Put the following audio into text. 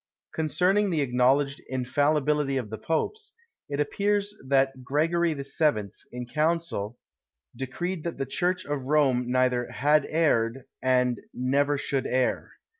Concerning the acknowledged infallibility of the Popes, it appears that Gregory VII., in council, decreed that the church of Rome neither had erred, and never should err.